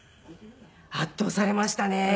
圧倒されましたね。